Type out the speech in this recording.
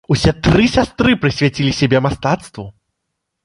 Усе тры сястры прысвяцілі сябе мастацтву.